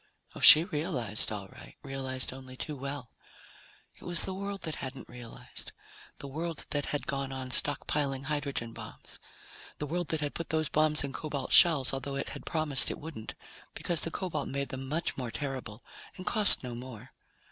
Oh, she realized, all right, realized only too well. It was the world that hadn't realized. The world that had gone on stockpiling hydrogen bombs. The world that had put those bombs in cobalt shells, although it had promised it wouldn't, because the cobalt made them much more terrible and cost no more.